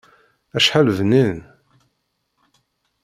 Acḥal bnin!